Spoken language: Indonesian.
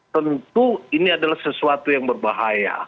tentu ini adalah sesuatu yang berbahaya